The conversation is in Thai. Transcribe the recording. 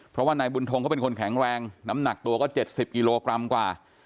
เพราะว่านายบุญทงเขาเป็นคนแข็งแรงน้ำหนักตัวก็๗๐กิโลกรัมกว่า